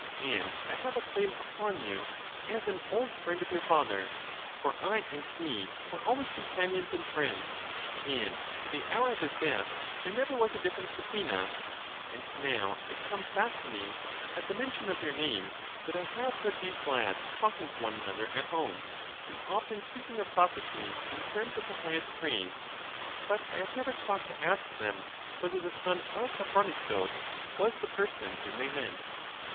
And I have a claim upon you as an old friend of your father; for I and he were always companions and friends, and to the hour of his death there never was a difference between us; and now it comes back to 90 LACHES me, at the mention of your name, that I have heard these lads talking to one another at home, and often speaking of Socrates in terms of the highest praise; but I have never thought to ask them whether the son of Sophroniscus was the person whom they meant.